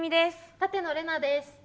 舘野伶奈です。